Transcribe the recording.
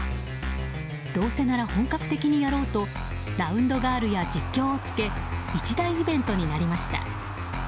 どうせなら本格的にやろうとラウンドガールや実況をつけ一大イベントになりました。